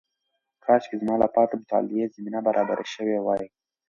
کاشکې زما لپاره د مطالعې زمینه برابره شوې وای.